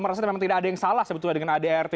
merasa memang tidak ada yang salah sebetulnya dengan adart